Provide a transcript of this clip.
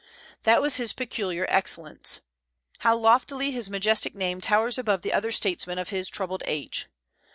That was his peculiar excellence. How loftily his majestic name towers above the other statesmen of his troubled age!